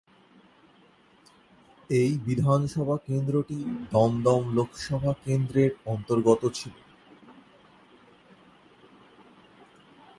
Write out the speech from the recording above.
এই বিধানসভা কেন্দ্রটি দমদম লোকসভা কেন্দ্রের অন্তর্গত ছিল।